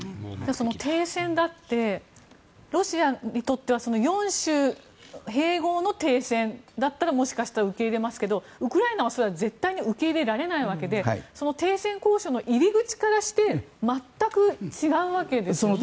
その停戦だってロシアにとっては４州併合の停戦だったらもしかしたら受け入れますけどウクライナは絶対にそれは受け入れないわけでその停戦交渉の入り口からして全く違うわけですよね。